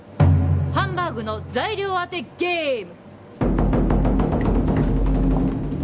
ハンバーグの材料当てゲーム！